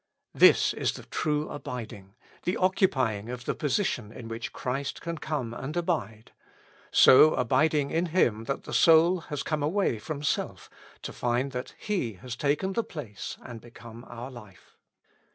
This is the true abiding, the occupying of the position in which Christ can come and abide ; so abiding in Him that the soul has come away from self to find that He has taken the place and become our life.